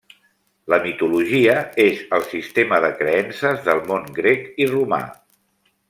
La mitologia és el sistema de creences del món grec i romà.